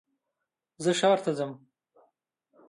زه ښار ته ځم